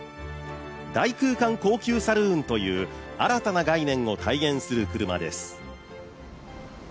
大空間高級サルーンという新たな概念を体現する車です。